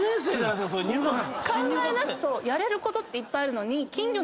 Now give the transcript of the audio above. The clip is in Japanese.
考えだすとやれることっていっぱいあるのに。